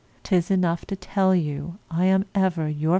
'Tis enough to tell you I am ever Yours.